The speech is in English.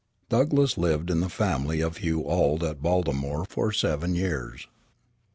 Douglass lived in the family of Hugh Auld at Baltimore for seven years.